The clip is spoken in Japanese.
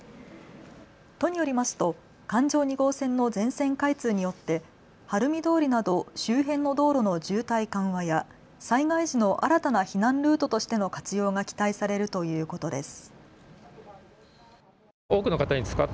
都によりますと環状２号線の全線開通によって晴海通りなど周辺の道路の渋滞緩和や災害時の新たな避難ルートとしての活用が期待されるということです。